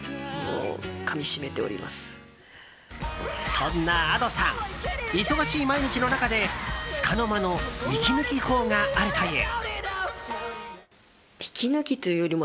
そんなＡｄｏさん忙しい毎日の中でつかの間の息抜き法があるという。